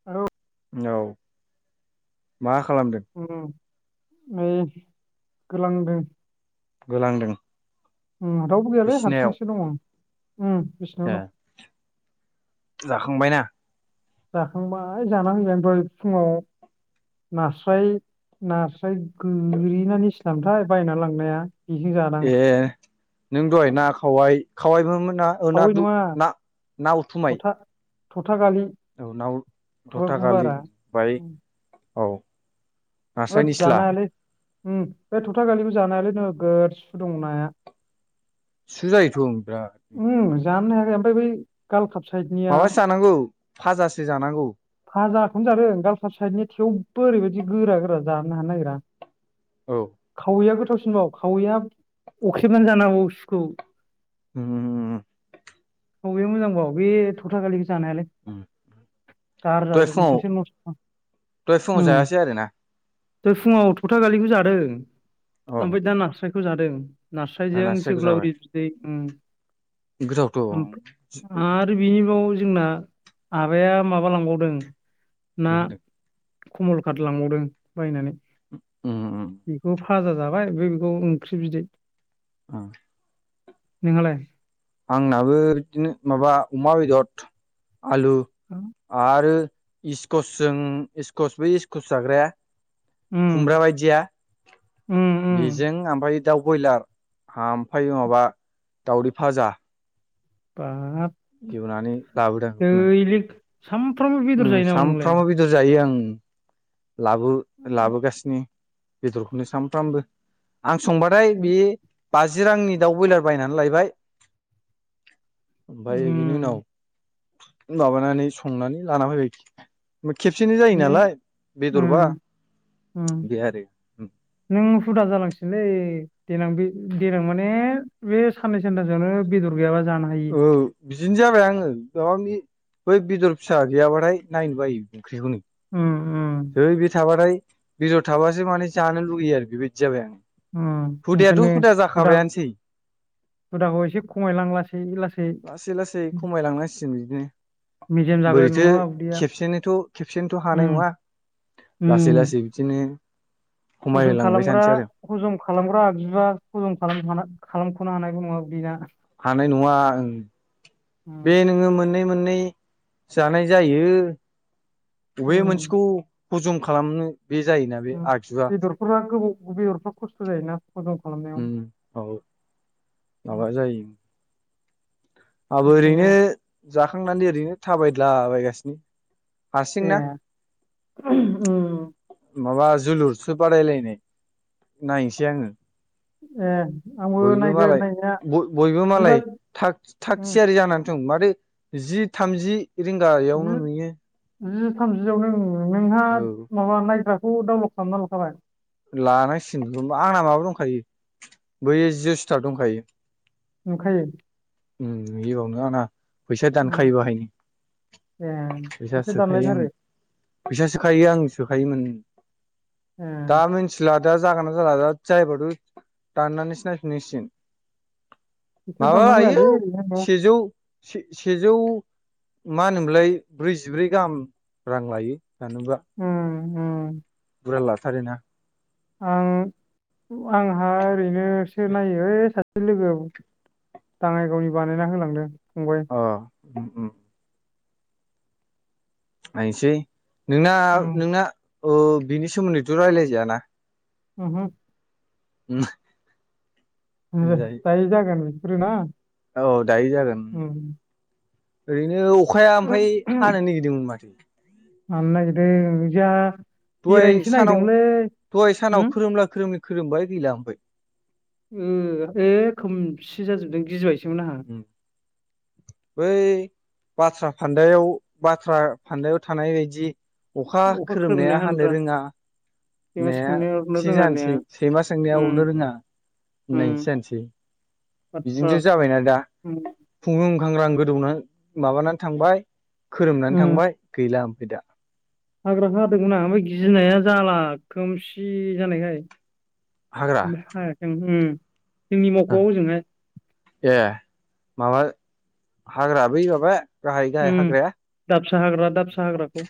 [unintelligible] औ मा खालामदों? ओम नै गोलांदों। गोलांदों। रावबो गैयालै बिसिनायाव हारसिंसो दङ बिसिनाव ए दं। जाखांबायना? जाखांबाय जाना होबाय दहाय फुङाव नास्राय नास्राय गोरि ना निस्लामोनथाय बायनानै लांनाया बेजों जादां ए नों दहाय ना खावाय खावायबोमोना। ओ ना खावै दु नङा ना ना उथुमाय? थथा थथा गालि औ नाव खुगा थथा गालि गुवारा बाय उम, औ नास्राय होद निस्ला जानो हायालै ओम बे थथा गालिखौ जानो हायालै नोगोद सु दङ नाया सुजायोथ' बिराद ओम जानोनो हायाखै ओमफ्राय बै गालकाप साइडनिया नांगौ फाजासो जानांगौ। फाजाखौनो जादों गालकाप साइडनि थेवबो ओरैबायदि गोरा गोरा जानो हानो नागिरा औ खावैया गोथावसिनबाव खावैया अख्रेबनानै जानो हाबावो सुखौ। ओम औ बेयो मोजांबाव बे थथा गालिखौ जानो हायालै। गारजा दहाय फुङाव जोबदोंसो नस्ट दहाय फुङाव उम जायासै आरो ना दहाय फुङाव थथा गालिखौ जादों औ ओमफ्राय दा नास्रायखौ जादों। दा नास्रायजों नास्रायखौ जाबाय जोग्लावरि बिदै उम गोथावथ' उम आरो बिनि बाव जोंना आबाया माबा लांबावदों। ना कमल खात लांबावदों बायनानै। ओम बेखौ फाजा जाबाय ओफ्राय बेखौ ओंख्रि बिदै ओम नोंहालाय? आंनाबो बिदिनो माबा अमा बेदर आलु। [unintelligible] आरो इस्कसजों इसकस बै इस्कुस जाग्राया उम खुमब्रा बायदिया उम उम बेजों ओमफ्राय दाउ बयलार ओमफ्राय माबा दउदै भाजा। बाब इउनानै दैलिख सामफ्रामबो बेदर जायो नामा नोंलाय? दर जायो आं। लाबो लाबोगासिनो बेदरखौनो सामफ्रामबो। आं संबाथाय बे बाजि रांनि दाउ बयलार बायनानै लायबाय ओमफ्राय बिनि उनाव उम माबानानै संनानै लाना फैबाय। खेबसेनो जायो नों नालाय बेदरबा उम उम बे आरो उम नों हुदा जालांसिगोनलै। देनां बे देनां माने बे साननै सानथासोआवनो बेदर गैयाबा जानो हायि ओ बिदिनो जाबाय आङो माबा बे बै बेदर फिसा गैयाबाथाय नायनो बायो ओंख्रिखौनो। उम उम हैै बे थाबाथाय बेदर थाबासो माने जानो लुुबैयो आरो बेबायदि जाबाय आङो। उम हुदायाथ' ओंखायनो हुदा जाखाबायानसै। हुदाखौ एसे खमायलां लासै लासै लासै खमायलांनांसिगोन बिदिनो। मेजेम जागोन बोरैथो नङाबा उदैया खेबसेनोथ' खेबसेनोथ' उम हानाय नङा लासै लासै बिदिनो हजल खमायलांबाय खालामग्रा थानोसै आरो हजम खालामग्रा आगजुबा हजम खालाम ह खालामख'नो हानायबो‌ नङा बेना। हानाय नङा आं उम बे नोङो मोननै मोननै जानाय जायो बबे उम मोनसेखौ हजम खालामनो। बे जायोना बे उम आगजुआ बेदरफोरा गोबाव बेदरफ्रा खस्थ' जायोना हजम खालामनायाव उम औ माबा आबो ओंखायनो ओरैनो जाखांनानै ओरैनो थाबायद्ला बायगासिनो ए उम माबा जोलुरसो बादायलायनाय नायहैसै आङो। ए आंबो बयबो नायगोन मालाय नायनाया ब-बयबो जिबा मालाय थाग थाग उम थियारि जानानै दं माथो जि थामजि रिंगायावनो जि नुयो। जि थामजियाव नुयो नोंहा औ माबा नायग्राखौ डाउलक खालामना लाखाबाय? लानांसिगोन [unintelligible] आंना माबा दंखायो बैयो जिअ' स्थार दंखायो। नंखायो। उम बियावनो आंना। फैसा उम दानखायो बाहायनो। ए फैसा सोखायो दानलायथारो आङो। ए फैसा सोखायो आं सोखायोमोन। दा मि सिला दा जागोन ना जाला दा जायबाथ' दाननानैसो नायफिन नांसिगोन। फैसा माबा दाननांलायालै लायो ओरैनो सेजौ से-से-सेजौ मा होनोमोनलाय ब्रैजिब्रै गाहाम रां लायो जानोबा। उम उम। बुरजा लाथारोना। आं आंहा ओरैनोसो नायो ओइ सा से लोगोआ दाङाइगावनि बानायना होलांदों फंबाय। अ। नायसै नोंना उम नोंना ओ सोमोन्दैथ' रायलाय जायाना? उहु। उम। ओ दायो जागोन बेफोरो ना। औ दायो जागोन। उम ओरैनो अखाया ओमफ्राय हानो नेगिरदोंमोन माथो। हानो नागिरदों बिदिया दहाय सानाव दहाय सानाव होम खोरोमला खोरोमलि खोरोमबाय गैला ओमफ्राय। उम एसे खोमसि जाजोबदों गिजबायसोमोन आंहा। बै बाथ्रा फान्दायाव बाथ्रा फान्दायाव थानाय बायदि अखा खोरोमनाय खोरोमनाया हानो हानद्रा रोङा सैमा सोंनाया अरनो होननायासो रोङा जानसै होननाया सैमा सोंनाया अरनो उम रोङा। उम होननायसो जानसै। बाथ्रा बिदिनोथ' जाबायना दा। उम खुंग्रु खांग्रां गोदौनानै माबानानै थांबाय खोरोमनानै थांबाय गैला ओमफ्राय दा। हाग्राखो हादोंमोन आंहा ओमफ्राय गिनाया जाला खोमसि जानायखाय। हाग्रा फ्राय हायाखै आं उम जोंनि मावख'आव ओजोंहाय। ए माबा हाग्रा बै माबाया गाहाय गाहाय उम हाग्राया दाबसा हाग्रा दाबसा हाग्राखौ।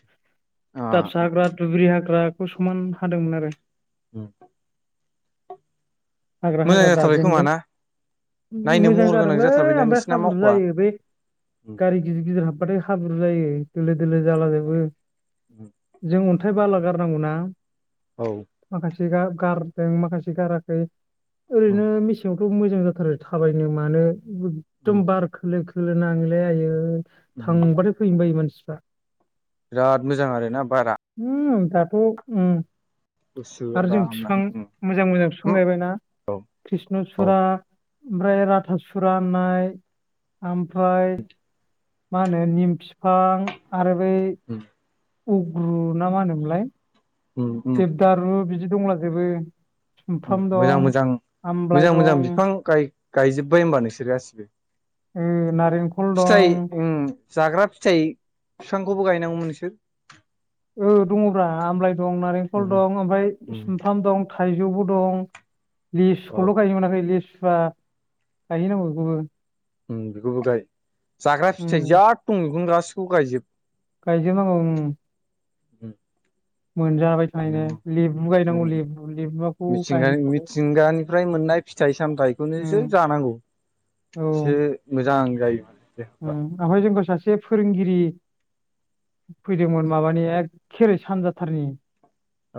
अ दाबसा अ हाग्रा दुब्रि हाग्राखौ समान हादोंमोन आरो। उम। हाग्रा मोजां हाग्रा जाथारबाय खोमा दाजेनजों। ना उम नायनो मोजां महर गोनां जादोंलै जाथारबायदां ओमफ्राय नोंसिना हाब्रु मावख'आ जायो बै गिदिर गिदिर हाबबाथाय हाब्रु जायो दोलो दोलो जालाजोबो। जों अन्थाइ बाला गारनांगौ ना औ। माखासे गा गारदों माखासे गाराखै ओरैनो मिस यावथ' मोजां जाथारो थाबायनो मानो एखदम बार खोलो खोलो नाङोलै आयै थांबाथाय फैनो बायो मानसिफा बिराद मोजां आरोना बारा। उम दाथ' उम गुसु आर जों फिफां आरामनो मोजां मोजां फिफां गायबायना। कृष्ण औ सुरा, ओमफ्राय राथासुरा होननाय आमफ्राय मा होनो निम फिफां आरो बै उम। उग्रु ना मा होनोमोनलाय? उ दारु बिदि दंलाजोबो। उम सुमफ्राम मोजां दं मोजां आमलाइ मोजां मोजां दं बिफां गाय गायजोब्बाय होमबा नोंसोर गासिबो? उ नारेंखल फिथाइ दं उम जाग्रा फिथाइ फिफांखौबो गायनांगौमोन नोंसोर। औ दङब्रा आमलाइ दं नारेंखल दं ओमफाय सुमफ्राम दं। थाइजौबो दं औ लिसुखौल' गायनो मोनाखै लिसुआ गायहैनांगौ बेखौबो। उम बेखौबो गाय जाग्रा फिथाइ उम जाद दं बेखौनो गासिखौबो गायजोब। गायजोब नांगौ उम मोनजाबाय गायनांगौ थानायनो लेबु गायनांगौ लेबु लेबुआखौ मिथिंगा गायहैथ'आखै मिथिंगानिफ्राय मोननाय फिथाइ सामथाइखौनोसो जानांगौ औ एसे मोजां जायो देहाफ्रा उम ओमफाय जोंखौ सासे फोरोंगिरि फैदोंमोन माबानि एके ओरै सानजा थारनि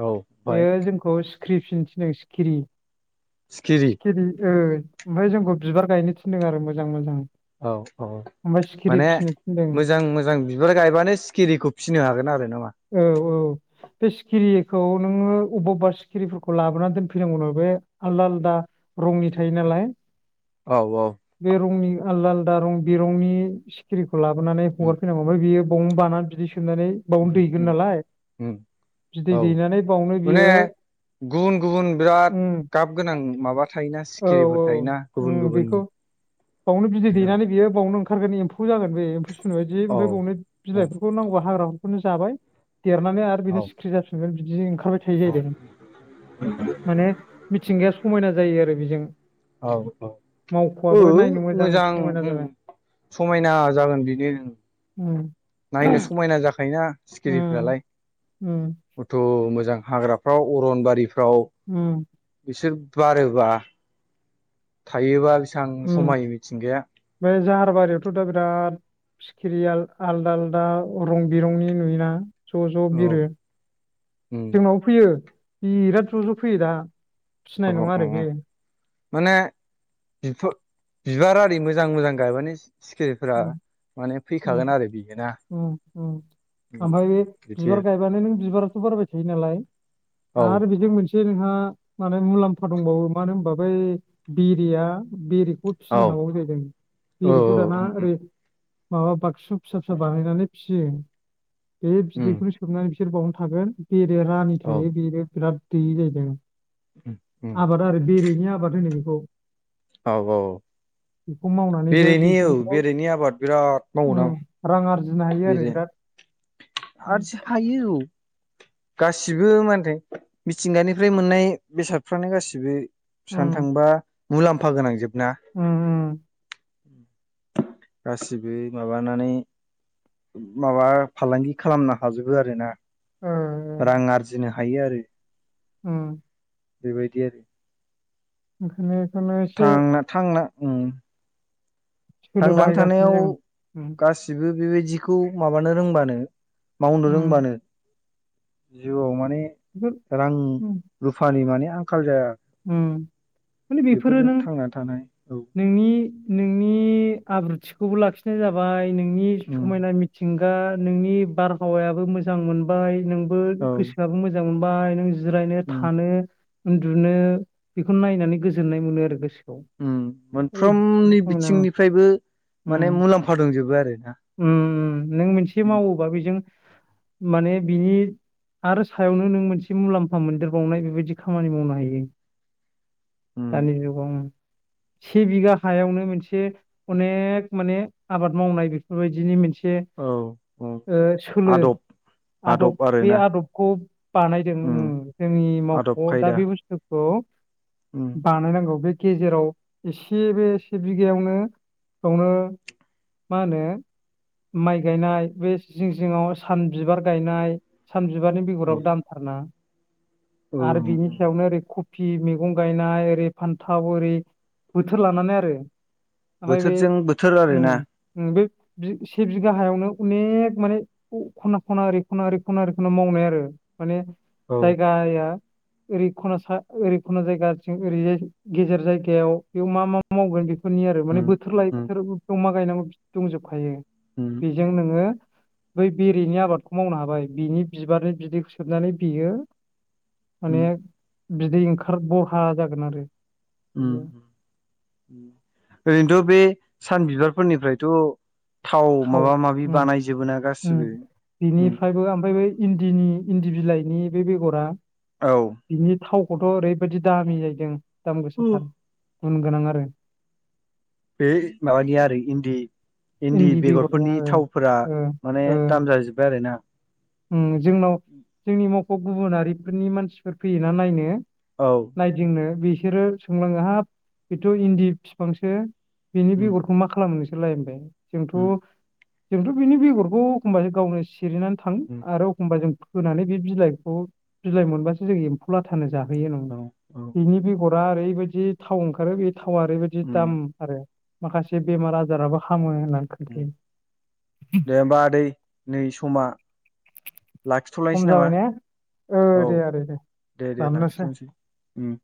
औ ओमफ्राय बेयो जोंखौ सिख्रि फिनो थिनदों सिखिरि। सिखिरि ओ ओमफाय जोंखौ बिबार गायनो थिनदों आरो मोजां मोजां। औ औ। ओमफ्राय सिखिरि माने फिसिनो थिनदों मोजां मोजां बिबार गायबानो सिखिरिखौ फिनो हागोन आरो ना मा? औ औ। बे सिखिरिखौ नोङो अबबा अबबा सिखिरिफोरखौ लाबोनानै दोनफैनांगौनो बे आलदा आलदा रंनि थायो नालाय औ औ बे रंनि आलदा आलदा रं बिरंनि सि खिरिखौ लाबोनानै उम हगारफैनांगौ आमफाय बियो बावनो बाना बिदै सोबनानै बावनो उम दैगोन नालाय उम बिदै औ दैनानै बावनो माने बियो गुबुन गुबुन बिराद उम गाब गोनां माबा थायोना औ सिखिरिफोर औ थायोना गुबुन उम बेखौ गुबुननि बावनो बिदै औ दैनानै बेयो बावनो ओं ओंखारगोन एम्फौ जागोन बे एम्फौ सुमु बायदि औ आमफाय बावनो बिलाइफोरखौ नांगौबा हाग्राफोरखौनो जाबाय देरनानै आरो बेनो औ सिख्रि जाफिनगोन बिदि ओं खारबाय थायो जाहैदों माने मिथिंगाया समायना जायो आरो बेजों। औ औ। ओ मावख'आबो नायनो मोजां समायना उम जाबाय समायना जागोन बिनो ओं उम नायनो समायना जाखायोना उम सिखिरिफ्रालाय उम खथ' मोजां हाग्राफ्राव अरनबारिफ्राव उम बिसोर बारोबा थायोबा बिसां उम समायो मिथिंगाया बे जाहारबारियावथ' दा बिराद सिखिरिया आल आलदा आलदा रं बिरंनि नुयोना ज' ज' औ बिरो उम जोंनावबो फैयो बिराद ज' ज' फैयो दाना अ अ [unintelligible] माने बिबार आरि मोजां मोजां गायबानो सिखिरिफोरा उम माने उम फैखागोन आरो बियो ना आमफाय बिदि बिबार गायबानो नों बिबाराथ' बारबाय थायो नालाय औ आरो बेजों मोनस से [unintelligible] हा माने मुलाम्फा दंबावो मानो होनबा बै बेरेया बेरेखौ औ फिसिनो हाबावौ जाहैदों औ बेरेखौ दाना ओरै माबा बाक्सु फिसा फिसा बानायनानै फिसियो बे बिदैखौनो दोबनानै [unintelligible] बिसोर बावनो थागोन बेरेआ रानि औ थायो बेनो बिराद दैयो जाहैदों आबाद आरो बेरेनि आबाद होनो बेखौ औ औ बेखौ मावनानै बेरेनि औ बेरेनि आबाद बिराद मावोना रां आरजिनो हायो आरो बिराद थायो औ गासिबो मा मिथिंगानिफ्राय मोननाय बेसादफ्रानो गासिबो साननो उम थांबा मुलाम्फा गोनां जोब ना उम उम गासिबो माबानानै माबा फालांगि खालामनो हाजोबो आरो ना ओ रां आरजिनो हायो आरो उम बेबायदि आरो ओखनो [unintelligible] थांना थांना सोलो थांनानै बाहायगासिनो थानायाव जों उम गासै गासिबो बेबायदिखौ माबानो रोंबानो मावनो उम रोंबानो जिउआव माने बेफोर रां उम रुफानि माने आंखाल जाया उम माने बेफोरो बेफोरजों नों थांना थानाय औ नोंनि नोंनि आब्रुथिखौबो लाखिनाय जाबाय नोंनि उम समायना मिथिंगा नोंनि बारहावायाबो मोजां मोनबाय नोंबो औ गोसोआबो मोजां मोजां मोनबाय नों जिरायनो उम थानो उन्दु बिनो बेखौ नायनानै गोजोननाय मोनो आरो गोसोखौ मोनफ्रोमनि बिथिंनिफ्रायबो माने उम मुलाम्फा दंजोबो आरो ना उम उम नों मोनसे मावोबा बेजों माने बिनि आरो सायावनो नों मोनसे मुलाम्फा मोनदेरबावनाय बेबायदि खामानि मावनो हायो उम दानि जु से बिघा हायावनो मोनसे अनेक माने आबाद मावनाय बेख बेबायदिनि मोनसे औ औ ओ सोलो आदब आदब बे आदबखौ बानायदों उम जोंनि आदब मावख'आव दा खायदा बे बुस्थु खौ उम बानायनांगौ बे गेजेराव एसे बे एसे बिगायावनो बेयावनो मा होनो माइ गायनाय बे जिं जिङाव सान बिबार गायनाय सान बिबारनि औ बेगराबो दाम थारना औ आरो बेनि सायावनो ओरै खब फि मैगं गायनाय ओरै फानथाव ओरै बोथोर लानानै आरो। ओमफ्राय बे बोथोरजों बोथोर बे उम आरोना उम बै बि से बिघा हायावनो अनेक माने ख-खना खना ओरै खना ओरै खना ओरै खना मावनाय आरो। माने औ जायगाया ओरै ख'ना सा ओरै ख'ना जायगाथिं ओरैजाय गेजेर जायगायाव बेयाव मा मा मावगोन बेखौ बफोरनि आरो माने उम, बोथोर लायै उम, बोथोर द मा गायनांगौ दंजोबखायो। उम, बेजों नोङो बै बेरिनि आबादखौ मावनो हाबाय बिनि बिबारनि बिदैखौ सोबनानै बियो माने उम, बिदै ओंखार बरहा जागोन आरो। उम बियो ओरैनोथ' बे सान बिबारफोरनिफ्रायथ' थाव माबा माबि बानायजोबो ना उम गासिबो उम। बिनिफ्रायबो ओमफ्राय बै इन्दिनि इन्दि बिलाइनि बे बेगरा औ बिनि थावखौथ' ओरैबायदि दामि जाहैदों दाम गोसाथार गुन गोनां आरो। बे माबानि आरो इन्दि इन्दि बेगरफोरनि बेगरनिया ओ थावफोरा ओ माने दाम जाजोब्बाय आरो ना। ओं जोंनाव जोंनि मावख' गुबुनारिफोरनि मानसिफोर फैयोना नायनो। औ नायदिंनो बिसोरो सोंलाङो हाब बेथ' इन्दि फिफांसो बिनि उम, बेगर खौ मा खालामनो नोंसोरलाय होनबाय जोंथ' उम, जोंथ' बिनि बेगरखौ एखमबासो गावनो सिरिनानै था उम, आरो एखमबा जों फोनानै बे बिलाइखौ बिलाइ मोनबासो जों एम्फौ लाथानो जाहोयो नं औ औ बेनि बेगरा ओरैबायदि थाव ओंखारो बे थावा ओरैबायदि दाम उम, आरो। माखासे बेमार आजाराबो खामो होननानै खो दे होमबा आदै नै समा सम लाखिथ'लायनोसै नामा जाबाय ने ओ औ दे आदै दे दे दे दाननोसै लाखिथ'नोसै। उम